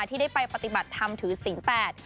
ที่ได้ไปปฏิบัติธรรมถือศีลแปด